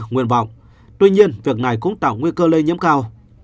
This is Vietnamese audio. nguyện vọng tuy nhiên việc này cũng tạo nguy cơ lây nhiễm cao